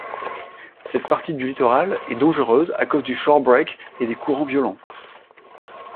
Cette partie du littoral et dangereuse à cause du shorebreak et des courants violents.